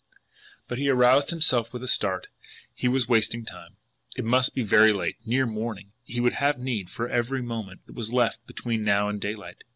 But he aroused himself with a start he was wasting time! It must be very late, near morning, and he would have need for every moment that was left between now and daylight.